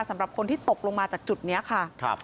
สำหรับคนที่ตกลงมาจากจุดนี้ค่ะ